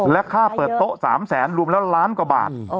และค่าเปิดโต๊ะ๓แสนรวมแล้วล้านกว่าบาท